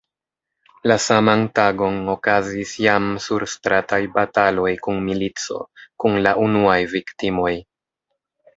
La saman tagon okazis jam surstrataj bataloj kun milico, kun la unuaj viktimoj.